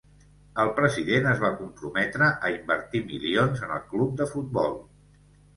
El president es va comprometre a invertir milions en el club de futbol.